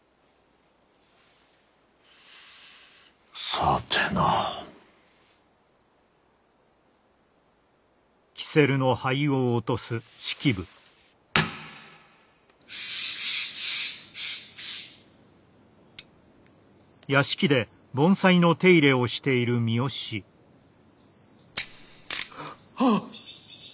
さてな。あっ。